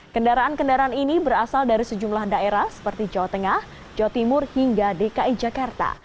kendaraan kendaraan ini berasal dari sejumlah daerah seperti jawa tengah jawa timur hingga dki jakarta